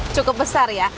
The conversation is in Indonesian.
cukup besar ya